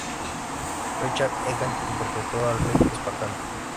Richard Egan interpretó al rey espartano.